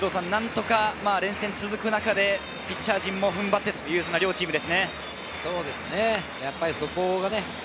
連戦が続く中でピッチャー陣も踏ん張ってという両チームですね。